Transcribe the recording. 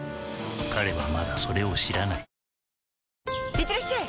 いってらっしゃい！